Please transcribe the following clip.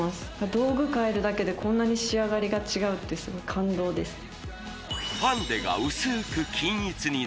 道具変えるだけでこんなに仕上がりが違うってすごい感動ですね